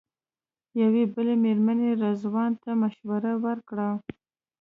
یوې بلې مېرمنې رضوان ته مشوره ورکړه.